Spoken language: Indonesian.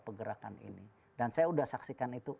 pergerakan ini dan saya sudah saksikan itu